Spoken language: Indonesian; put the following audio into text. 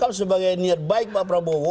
ini harus sebagai niat baik pak prabowo